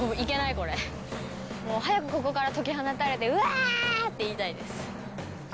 もう早くここから解き放たれてうわ！って言いたいです。